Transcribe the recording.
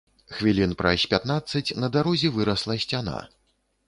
Хвілін праз пятнаццаць на дарозе вырасла сцяна.